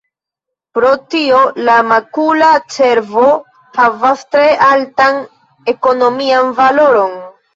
Pro tio, la makula cervo havas tre altan ekonomian valoron.